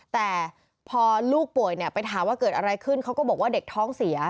แต่พอลูกป่วยเนี่ยไปถามว่าเกิดอะไรขึ้นเขาก็บอกว่าเด็กท้องเสีย